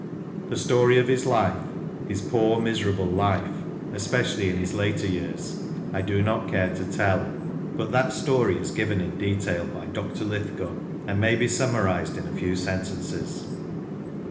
The story of his life— his poor, miserable life, especially in his later years — I do not care to tell ; but that story is B 2 Lancashire Characters and Places, given in detail by Dr. Lithgow, and may be summarised in a few sentences.